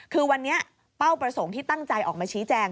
คือวันนี้เป้าประสงค์ที่ตั้งใจออกมาชี้แจง